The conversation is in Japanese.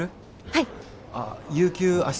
はい。